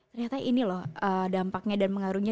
ternyata ini loh dampaknya dan mengaruhi